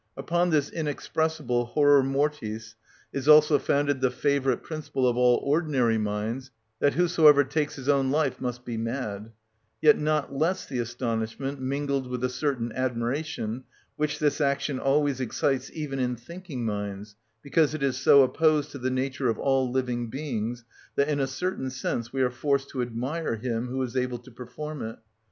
Upon this inexpressible horror mortis is also founded the favourite principle of all ordinary minds, that whosoever takes his own life must be mad; yet not less the astonishment, mingled with a certain admiration, which this action always excites even in thinking minds, because it is so opposed to the nature of all living beings that in a certain sense we are forced to admire him who is able to perform it.